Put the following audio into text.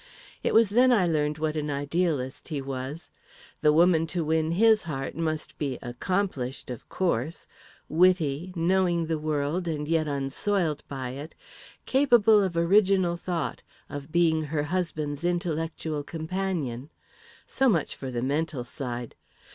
It was then I learned what an idealist he was. The woman to win his heart must be accomplished, of course; witty, knowing the world, and yet unsoiled by it, capable of original thought, of being her husband's intellectual companion so much for the mental side.